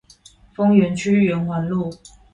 豐原區圓環路